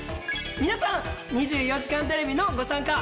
皆さん『２４時間テレビ』のご参加。